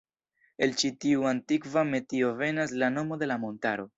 El ĉi tiu antikva metio venas la nomo de la montaro.